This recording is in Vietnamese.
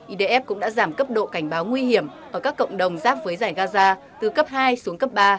idf cũng đã giảm cấp độ cảnh báo nguy hiểm ở các cộng đồng giáp với giải gaza từ cấp hai xuống cấp ba